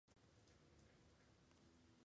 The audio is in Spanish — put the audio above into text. un ritmo que se ha acelerado en los últimos años